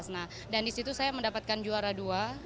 nah dan di situ saya mendapatkan juara dua